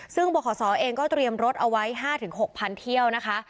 ซึ่งบขศเองก็เตรียมรถเอาไว้๕๖๐๐เที่ยวนะคะ